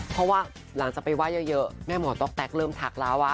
เพราะว่าหลังจากไปไหว้เยอะแม่หมอต๊อกแต๊กเริ่มทักแล้ว